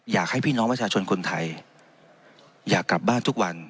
อยากให้พี่น้องประชาชนคนไทยอยากกลับบ้านทุกวัน